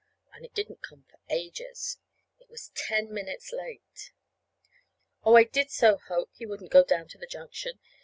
And it didn't come for ages. It was ten minutes late. Oh, I did so hope he wouldn't go down to the junction.